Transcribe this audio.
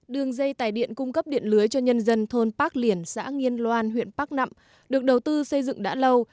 đường dây tài điện cung cấp điện lưới cho nhân dân thôn park liên xã nghiên loan huyện bắc nậm được đầu tư xây dựng đã lâu